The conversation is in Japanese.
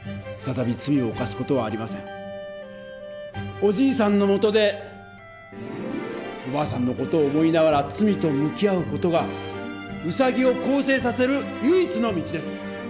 おじいさんのもとでおばあさんの事を思いながら罪と向き合う事がウサギを更生させる唯一の道です。